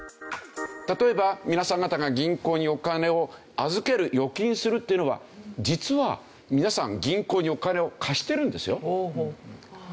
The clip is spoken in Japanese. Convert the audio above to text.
例えば皆さん方が銀行にお金を預ける預金するっていうのは実は皆さん貸してるんですね。